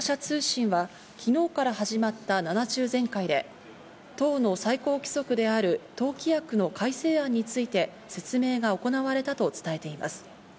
国営新華社通信は、昨日から始まった７中全会で党の最高規則であると党規約の改正案について説明が行われたと伝えています。